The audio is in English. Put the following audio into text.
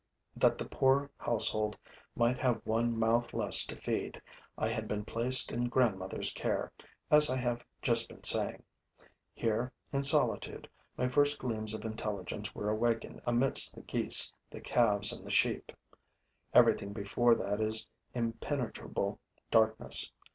That the poor household might have one mouth less to feed, I had been placed in grandmother's care, as I have just been saying. Here, in solitude, my first gleams of intelligence were awakened amidst the geese, the calves and the sheep. Everything before that is impenetrable darkness.